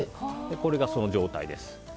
これがその状態です。